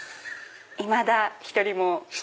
いまだ一人も。